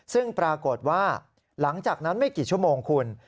ซึ่งปรากฏว่าหลังจากนั้นไม่กี่ชั่วโมงคุณ